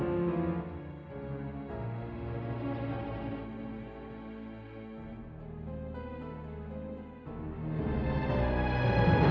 mau bantu pencetuk pintu pindah ke rumah saya ya